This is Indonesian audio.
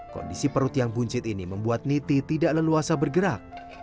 kondisi perut yang buncit ini membuat niti tidak leluasa bergerak